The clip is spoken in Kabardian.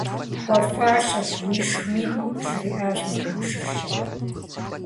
- Пхуэфащэщ, уишхми, - жриӏащ мэкъумэшыщӏэм.